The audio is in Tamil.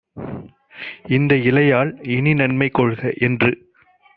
"இந்த இலையால் இனிநன்மை கொள்க" என்று